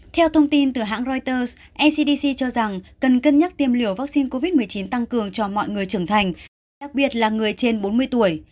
theo thông tin từ hãng reuters ncdc cho rằng cần cân nhắc tiêm liều vaccine covid một mươi chín tăng cường cho mọi người trưởng thành đặc biệt là người trên bốn mươi tuổi